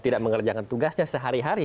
tidak mengerjakan tugasnya sehari hari